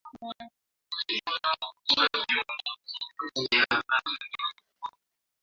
Wanyama wenye afya katika kundi la wanyama huathirika na ugonjwa wa kimeta